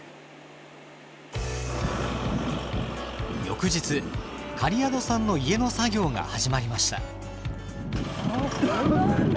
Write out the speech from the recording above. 翌日苅宿さんの家の作業が始まりました。